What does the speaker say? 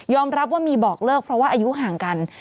รับว่ามีบอกเลิกเพราะว่าอายุห่างกัน